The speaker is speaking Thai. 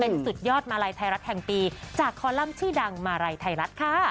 สุดยอดมาลัยไทยรัฐแห่งปีจากคอลัมป์ชื่อดังมาลัยไทยรัฐค่ะ